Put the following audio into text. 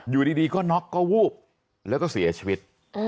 อยู่ดีก็น็อกก็วูบแล้วก็เสียชีวิต